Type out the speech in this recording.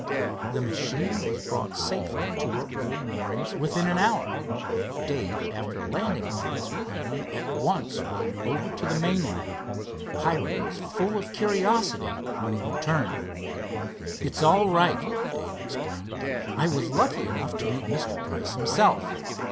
The machine was brought safely to her old moorings within an hour. Dave, after landing on Desert Island, at once rowed over to the mainland. Hiram was full of curiosity when he returned. "It's all right," Dave explained. "I was lucky enough to meet Mr. Price himself.